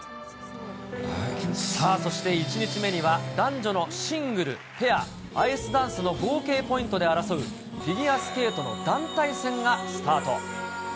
さあ、そして１日目には、男女のシングル、ペア、アイスダンスの合計ポイントで争う、フィギュアスケートの団体戦がスタート。